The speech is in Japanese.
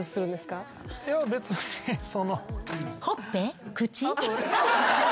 別にその。